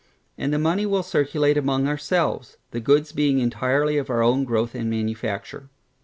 And the money will circulate among our selves, the goods being entirely of our own growth and manufacture.